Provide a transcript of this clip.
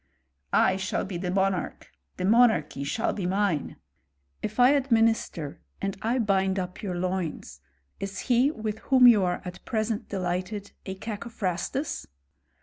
I shall be the monarch, the monarchy shall be mine. If I administer, and I bind up yoiu: loins, is he with whom you are at present delighted a Cacophrastus